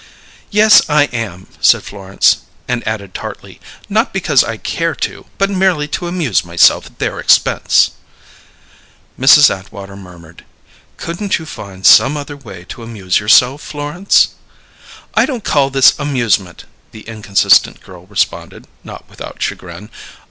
"Yes, I am," said Florence; and added tartly, "Not because I care to, but merely to amuse myself at their expense." Mrs. Atwater murmured, "Couldn't you find some other way to amuse yourself, Florence?" "I don't call this amusement," the inconsistent girl responded, not without chagrin.